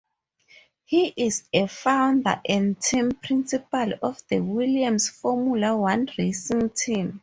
He is a founder and team principal of the Williams Formula One racing team.